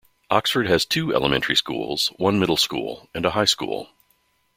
Oxford has two elementary schools, one middle school, and a high school.